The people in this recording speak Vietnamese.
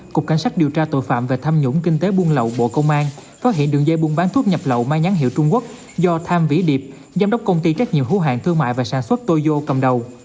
cục cảnh sát điều tra tội phạm về tham nhũng kinh tế buôn lậu bộ công an phát hiện đường dây buôn bán thuốc nhập lậu mang nhãn hiệu trung quốc do tham vĩ điệp giám đốc công ty trách nhiệm hữu hạng thương mại và sản xuất tô cầm đầu